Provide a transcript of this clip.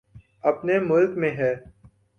اپنے ملک میں ہے۔